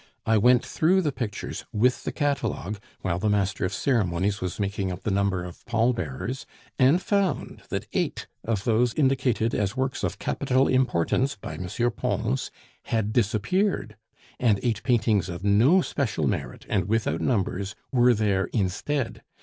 I went through the pictures with the catalogue while the master of ceremonies was making up the number of pall bearers, and found that eight of those indicated as works of capital importance by M. Pons had disappeared, and eight paintings of no special merit, and without numbers, were there instead....